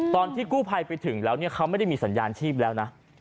ตอนที่กู้ภัยไปถึงแล้วเนี่ยเขาไม่ได้มีสัญญาณชีพแล้วนะ